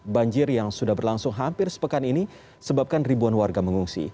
banjir yang sudah berlangsung hampir sepekan ini sebabkan ribuan warga mengungsi